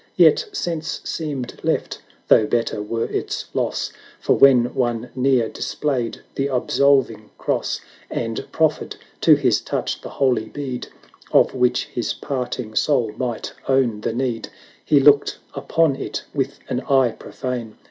11 20 Yet sense seemed left, though better were its loss; For when one near displayed the ab solving Cross, And proffered to his touch the holy bead, Of which his parting soul might own the need, He looked upon it with an eye profane.